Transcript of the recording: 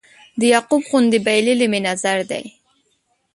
د یعقوب غوندې بایللی مې نظر دی